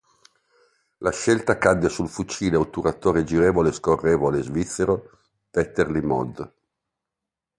La scelta cadde sul fucile a otturatore girevole-scorrevole svizzero Vetterli Mod.